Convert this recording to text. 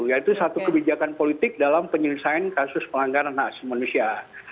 yaitu satu kebijakan politik dalam penyelesaian kasus pelanggaran hak asasi manusia